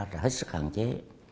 là hết sức hạn chế